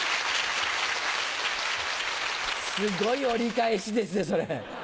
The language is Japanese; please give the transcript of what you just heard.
すごい折り返しですねそれ。